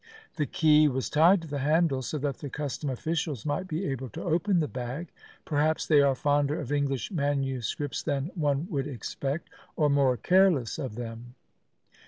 "The key was tied to the handle so that the custom officials might be able to open the bag. Perhaps they are fonder of English manuscripts than one would expect, or more careless of them."